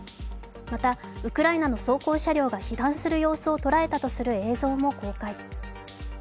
またウクライナの装甲車両が被弾する様子を捉えたとする映像も公開。